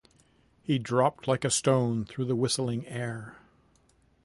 He dropped like a stone through the whistling air.